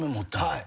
はい。